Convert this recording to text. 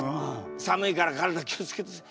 寒いから体気を付けてください。